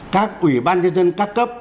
các quỹ ban nhân dân các cấp